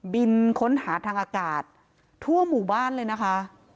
บินค้นหาทางอากาศทั่วหมู่บ้านเลยนะคะ